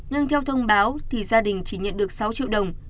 nhưng theo thông báo thì gia đình chỉ nhận được sáu triệu đồng